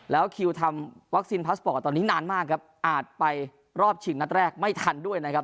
แล้วคิวทำวัคซีนพาสปอร์ตตอนนี้นานมากครับอาจไปรอบชิงนัดแรกไม่ทันด้วยนะครับ